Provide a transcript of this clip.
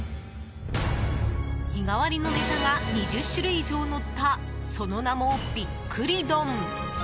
日替わりのネタが２０種類以上のったその名も、びっくり丼。